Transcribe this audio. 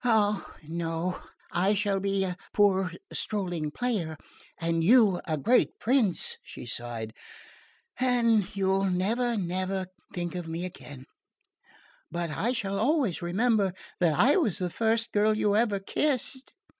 "Ah, no, I shall be a poor strolling player, and you a great prince," she sighed, "and you'll never, never think of me again; but I shall always remember that I was the first girl you ever kissed!"